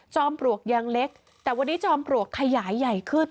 ปลวกยังเล็กแต่วันนี้จอมปลวกขยายใหญ่ขึ้น